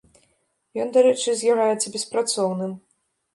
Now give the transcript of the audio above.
Ён, дарэчы, з'яўляецца беспрацоўным.